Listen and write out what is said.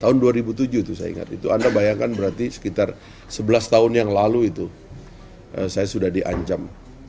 tahun dua ribu tujuh itu saya ingat itu anda bayangkan berarti sekitar sebelas tahun yang lalu itu saya sudah diancam